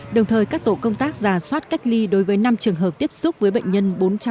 đồng thời các tổ công tác giả soát cách ly đối với năm trường hợp tiếp xúc với bệnh nhân bốn trăm sáu mươi